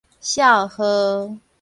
數號